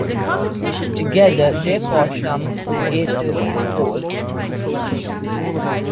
Together, they fight some of Ace's foes.